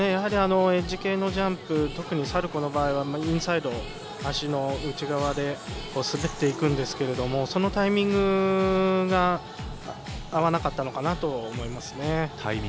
エッジ系のジャンプというにサルコーの場合はインサイド足の内側で滑っていくんですがそのタイミングが合わなかったのかなと思いますね。